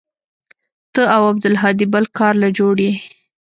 ته او عبدالهادي بل كار له جوړ يې.